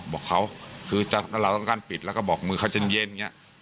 บอกเขาคือเราต้องกั้นปิดแล้วก็บอกมือเขาเย็นอย่างนี้